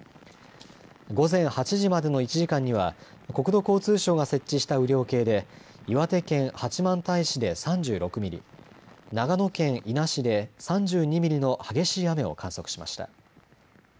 午前８時までの１時間には、国土交通省が設置した雨量計で、岩手県八幡平市で３６ミリ、長野県伊那市で３２ミリの激しい雨を観測しました。